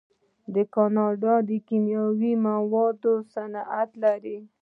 کاناډا د کیمیاوي موادو صنعت لري.